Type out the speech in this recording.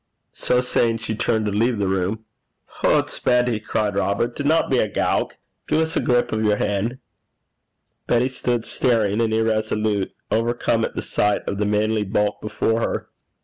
So saying, she turned to leave the room. 'Hoots! Betty,' cried Robert, 'dinna be a gowk. Gie 's a grip o yer han'.' Betty stood staring and irresolute, overcome at sight of the manly bulk before her.